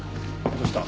どうした？